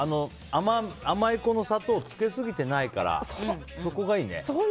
甘い砂糖をつけすぎていないからそこがいいね。